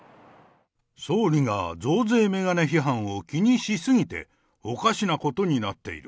総理が増税メガネ批判を気にし過ぎて、おかしなことになっている。